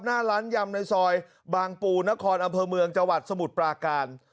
หน้าร้านยำในซอยบางปูนครอำเภอเมืองจังหวัดสมุทรปราการ